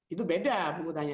itu beda pungutannya